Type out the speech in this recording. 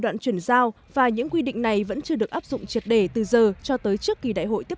đoạn chuyển giao và những quy định này vẫn chưa được áp dụng triệt để từ giờ cho tới trước kỳ đại hội tiếp